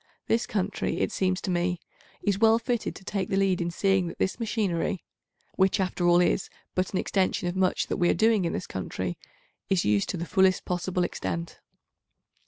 This country, it seems to me, is well fitted to take the lead in seeing that this machinery, which after all is but an extension of much that we are doing in this country, is used to the fullest possible extent.